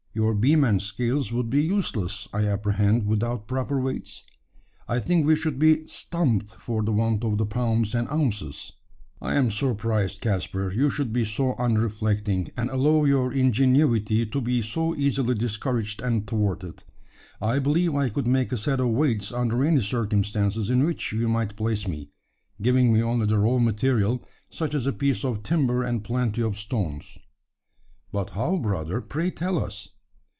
Your beam and scales would be useless, I apprehend, without proper weights? I think we should be `stumped' for the want of the pounds and ounces." "I am surprised, Caspar, you should be so unreflecting, and allow your ingenuity to be so easily discouraged and thwarted. I believe I could make a set of weights under any circumstances in which you might place me giving me only the raw material, such as a piece of timber and plenty of stones." "But how, brother? Pray, tell us!"